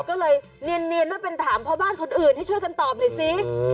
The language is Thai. ก็เลยเนียนว่าเป็นถามพ่อบ้านคนอื่นให้ช่วยกันตอบหน่อยสิ